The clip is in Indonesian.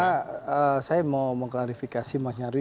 karena saya mau mengklarifikasi mas nyarwi